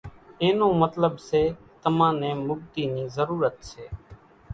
اين نون مطلٻ سي تمان نين مڳتي نِي ضرورت سي